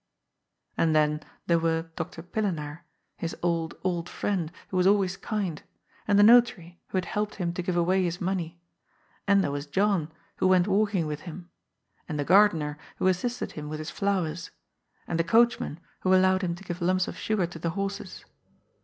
And then there were Dr. Pillenaar, his old, old friend, who was always kind, and the Notary, who had helped him to give away his money, and there was John, who went walking with him, and the gardener, who assisted him with his fiowers, and the coachman, who allowed him to give lumps of sugar to the horses.